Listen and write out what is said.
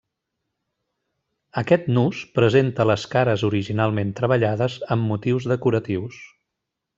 Aquest nus presenta les cares originalment treballades amb motius decoratius.